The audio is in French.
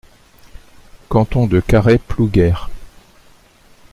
Canton de Carhaix-Plouguer.